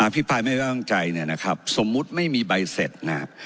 พี่ปรายไม่ไว้วางใจเนี่ยนะครับสมมุติไม่มีใบเสร็จนะครับ